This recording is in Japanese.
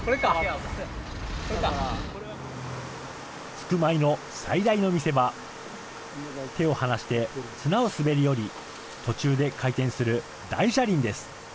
撞舞の最大の見せ場、手を離して綱を滑り降り、途中で回転する大車輪です。